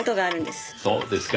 そうですか。